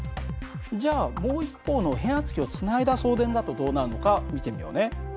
じゃあもう一方の変圧器をつないだ送電だとどうなるのか見てみようね。